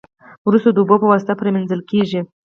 وروسته د اوبو په واسطه پری مینځل کیږي.